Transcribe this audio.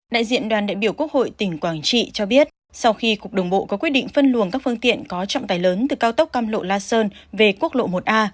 đại diện đoàn đại biểu quốc hội tỉnh quảng trị cho biết sau khi cục đường bộ có quyết định phân luồng các phương tiện có trọng tài lớn từ cao tốc cam lộ la sơn về quốc lộ một a